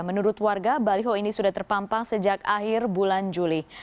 menurut warga baliho ini sudah terpampang sejak akhir bulan juli